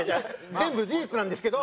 全部事実なんだけど